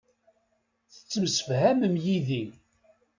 Tettemsefhamem yid-i.